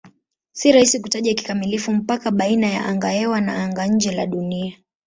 Si rahisi kutaja kikamilifu mpaka baina ya angahewa na anga-nje la Dunia.